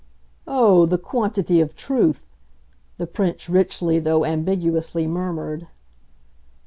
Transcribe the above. "Oh, the quantity of truth!" the Prince richly, though ambiguously, murmured.